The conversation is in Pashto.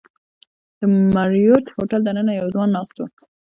د مریوټ هوټل دننه یو ځوان ناست و.